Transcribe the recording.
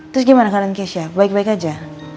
terus gimana kalian keisha baik baik aja